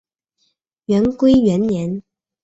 元龟元年。